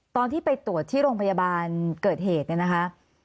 ตอนที่ไปตรวจที่โรงพยาบาลเกิดเหตุเนี่ยนะคะ